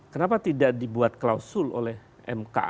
kenapa tidak dibuat klausul oleh mk